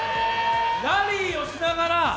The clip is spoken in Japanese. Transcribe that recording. ラリーをしながら？